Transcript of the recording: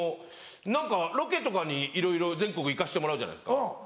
何かロケとかにいろいろ全国行かせてもらうじゃないですか。